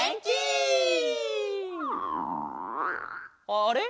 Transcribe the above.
あれ？